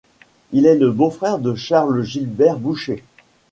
Il est le beau-frère de Charles Gilbert-Boucher.